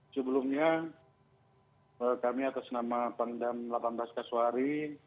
sebelumnya kami atas nama penerangan kodam delapan belas kaswari